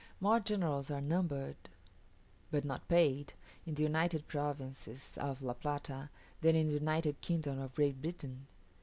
More generals are numbered (but not paid) in the United Provinces of La Plata than in the United Kingdom of Great Britain.